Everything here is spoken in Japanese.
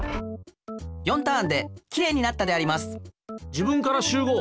４ターンできれいになったであります。